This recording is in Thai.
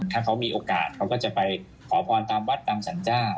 ถ้าเขามีโอกาสเขาก็จะไปขอพรตามวัดตามสรรเจ้า